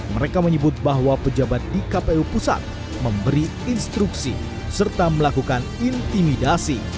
mereka menyebut bahwa pejabat di kpu pusat memberi instruksi serta melakukan intimidasi